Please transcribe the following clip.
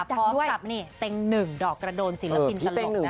พบกับเต็งหนึ่งดอกกระโดนศิลปินสลบ